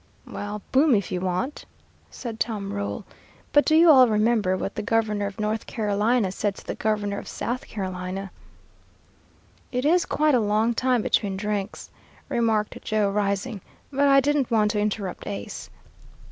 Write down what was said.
'" "Well, boom if you want," said Tom Roll, "but do you all remember what the governor of North Carolina said to the governor of South Carolina?" "It is quite a long time between drinks," remarked Joe, rising, "but I didn't want to interrupt Ace."